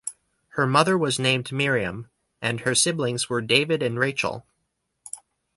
Her mother was named Miriam and her siblings were David and Rachel.